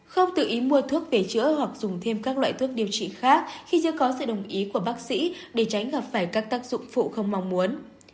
không tự ý mua thuốc về chữa hoặc dùng thêm các loại thuốc điều trị khác khi chưa có sự đồng ý của bác sĩ để tránh gặp phải các tác dụng phụ không mong muốn